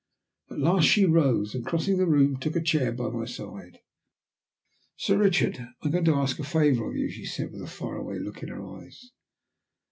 At last she rose, and crossing the room took a chair by my side. "Sir Richard, I am going to ask a favour of you," she said, with a far away look in her eyes.